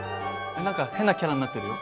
何か変なキャラになってるよ。